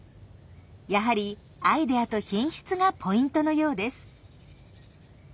やはりアイデアと品質がポイントのようです。